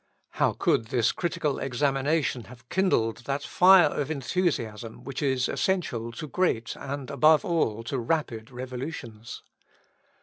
How could this critical examination have kindled that fire of enthusiasm which is essential to great, and, above all, to rapid revolutions?